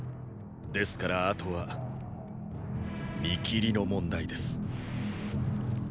ですからあとは見切りの問題です。